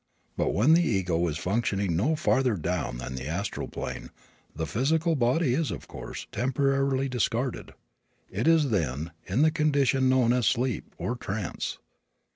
But when the ego is functioning no farther down than the astral plane, the physical body is, of course, temporarily discarded. It is then in the condition known as sleep, or trance.